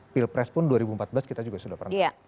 pilpres pun dua ribu empat belas kita juga sudah pernah